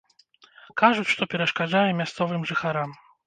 Кажуць, што перашкаджае мясцовым жыхарам.